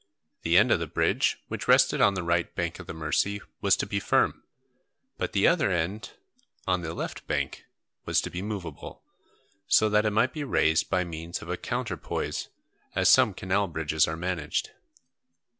The end of the bridge which rested on the right bank of the Mercy was to be firm, but the other end on the left bank was to be movable, so that it might be raised by means of a counterpoise, as some canal bridges are managed.